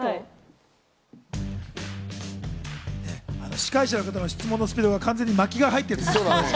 司会者の方の質問のスピードが完全に巻きが入ってました。